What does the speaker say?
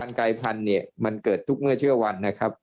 กายพันธุ์เนี่ยมันเกิดทุกเมื่อเชื่อวันนะครับ